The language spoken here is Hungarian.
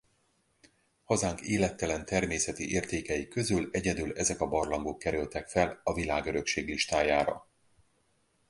Hazánk élettelen természeti értékei közül egyedül ezek a barlangok kerültek fel a Világörökség listájára.